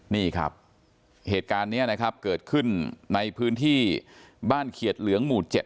นี่ครับเหตุการณ์นี้นะครับเกิดขึ้นในพื้นที่บ้านเขียดเหลืองหมู่๗